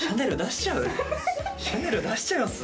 シャネル出しちゃいます？